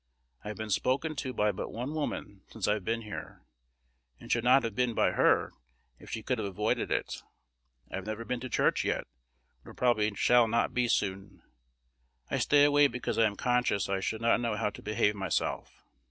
I have been spoken to by but one woman since I've been here, and should not have been by her, if she could have avoided it. I've never been to church yet, nor probably shall not be soon. I stay away because I am conscious I should not know how to behave myself.